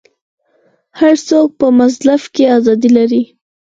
هر څوک په مزدلفه کې ازادي لري.